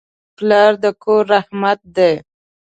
پلار د کور رحمت دی.